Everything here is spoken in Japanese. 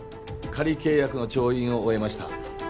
仮契約の調印を終えました